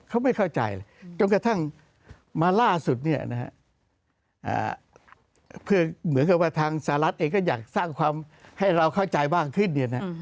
เขาไม่เข้าใจจนกระทั่งมาล่าสุดเนี่ยเหมือนกับว่าทางสหรัฐเองก็อยากสร้างความให้เราเข้าใจบ้างขึ้นเนี่ยนะ